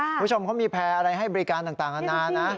คุณผู้ชมเขามีแพร่อะไรให้บริการต่างอาณานะ